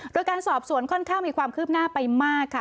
โดยการสอบสวนค่อนข้างมีความคืบหน้าไปมากค่ะ